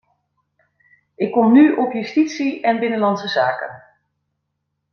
Ik kom nu op justitie en binnenlandse zaken.